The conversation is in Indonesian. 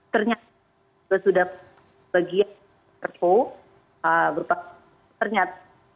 ternyata sudah berbagian prp berupa ternyata